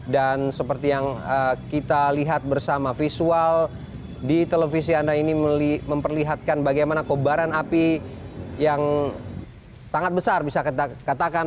dan seperti yang kita lihat bersama visual di televisi anda ini memperlihatkan bagaimana kebaran api yang sangat besar bisa katakan